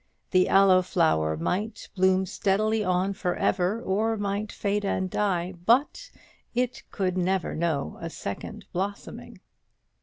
The aloe flower might bloom steadily on for ever, or might fade and die; but it could never know a second blossoming.